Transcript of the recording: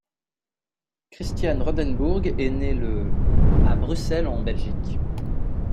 Christian Rodembourg est né le à Bruxelles en Belgique.